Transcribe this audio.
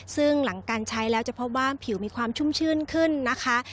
ซึ่งหลังการใช้แล้วจะพบว่าผิวมีความชุ่มชื่นขึ้นนะคะ